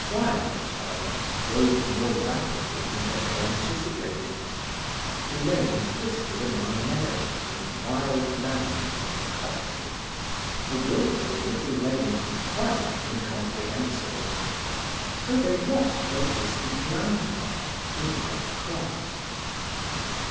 Twilight, however, rose more rapidly than they had anticipated. The lane twisted among meadows and wild lands and copses—a wilful little lane, quite incomprehensible. So they lost their distant landmark, the white cross.